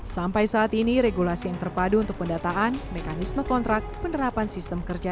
sampai saat ini regulasi yang terpadu untuk pendataan mekanisme kontrak penerapan sistem kerja